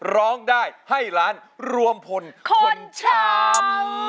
ร้องได้ให้ล้านรวมพลคนช้ำ